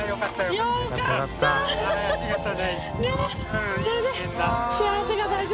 よかった。